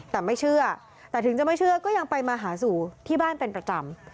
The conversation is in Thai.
แต่ไม่เชื่อแต่ถึงจะไม่เชื่อก็ยังไปมาหาสู่ที่บ้านเป็นประจำ